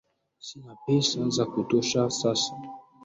Sina pesa za kutosha sasa.